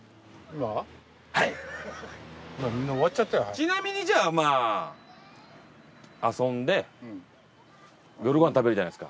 ちなみにじゃあ遊んで夜ご飯食べるじゃないですか。